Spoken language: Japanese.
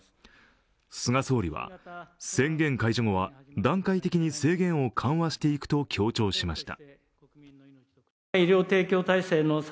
菅総理は宣言解除後は段階的に制限を緩和していくと強調しました。